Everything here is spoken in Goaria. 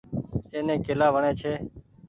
ايني ڪيلآ وڻي ڇي۔